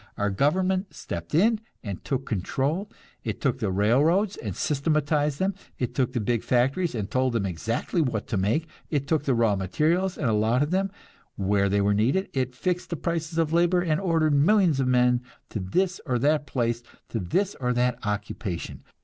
Our government stepped in and took control; it took the railroads and systematized them, it took the big factories and told them exactly what to make, it took the raw materials and allotted them, where they were needed, it fixed the prices of labor, and ordered millions of men to this or that place, to this or that occupation.